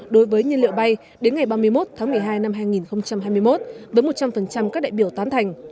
đối với nhiên liệu bay đến ngày ba mươi một tháng một mươi hai năm hai nghìn hai mươi một với một trăm linh các đại biểu tán thành